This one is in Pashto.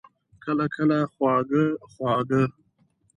کله، کله خواږه، خواږه